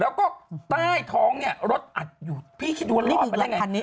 แล้วก็ใต้ท้องนี่รถอัดอยู่พี่คิดว่าลอดเป็นยังไง